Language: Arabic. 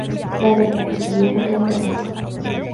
لا، لن أذهب اليوم إلى المدرسة.